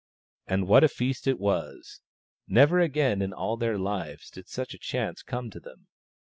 And what a feast it was ! Never again in all their lives did such a chance come to them.